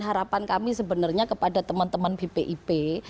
harapan kami sebenarnya kepada teman teman bpip